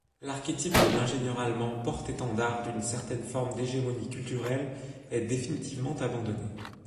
L'archétype de l'ingénieur allemand porte-étendard d'une certaine forme d'hégémonie culturelle est définitivement abandonné.